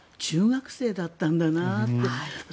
中学生だったんだなって。